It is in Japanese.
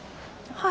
はい。